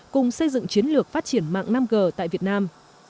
cùng xây dựng chiến lược phát triển mạng năm g tại việt nam